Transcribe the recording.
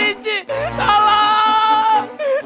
tidak terdekat jangan